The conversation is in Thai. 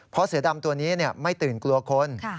เพราะเสือดำตัวนี้ไม่ตื่นกลัวคน